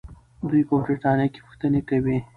دوی په برتانیا کې پوښتنې کوي.